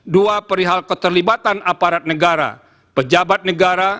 dua perihal keterlibatan aparat negara pejabat negara